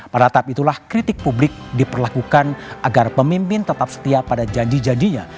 pada tahap itulah kritik publik diperlakukan agar pemimpin tetap setia pada janji janjinya